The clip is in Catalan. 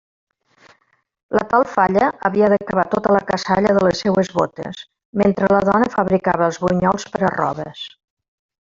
La tal falla havia d'acabar tota la cassalla de les seues bótes, mentre la dona fabricava els bunyols per arroves.